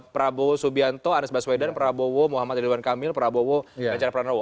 prabowo subianto anies baswedan prabowo muhammad ridwan kamil prabowo ganjar pranowo